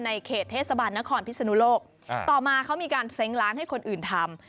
เขตเทศบาลนครพิศนุโลกต่อมาเขามีการเซ้งร้านให้คนอื่นทำ